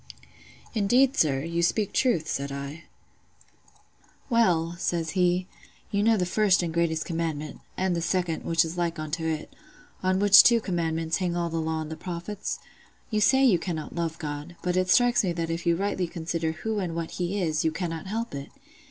"'Indeed, sir, you speak truth,' said I. "'Well,' says he, 'you know the first and great commandment—and the second, which is like unto it—on which two commandments hang all the law and the prophets? You say you cannot love God; but it strikes me that if you rightly consider who and what He is, you cannot help it.